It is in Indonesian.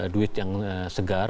duit yang segar